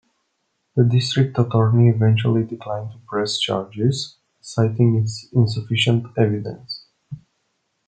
The district attorney eventually declined to press charges, citing insufficient evidence.